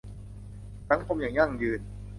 สังคมอย่างยั่งยืน